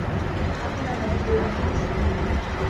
Hakuna majibu rahisi.